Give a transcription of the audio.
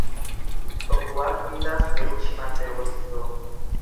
Huaquillas পেরুর সীমান্তে অবস্থিত।